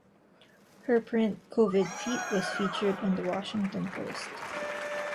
Her print "Covid Feat" was featured in the Washington Post.